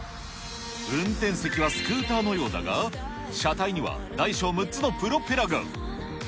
運転席はスクーターのようだが、車体には大小６つのプロペラが。